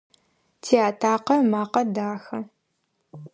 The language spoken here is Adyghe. Тиатакъэ ымакъэ дахэ.